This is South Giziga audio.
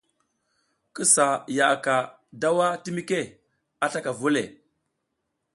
Ki sa yaʼaka daw a timike a slaka vu o le.